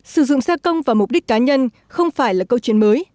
sử dụng xe công vào mục đích cá nhân không phải là câu chuyện mới